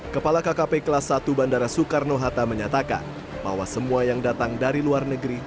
kepala kkp kelas satu bandara soekarno hatta menyatakan bahwa semua yang datang dari luar negeri